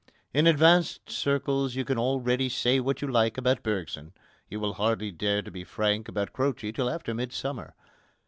In advanced circles you can already say what you like about Bergson. You will hardly dare to be frank about Croce till after midsummer.